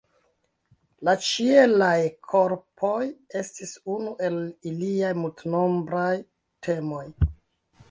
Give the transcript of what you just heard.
La ĉielaj korpoj estis unu el liaj multenombraj temoj.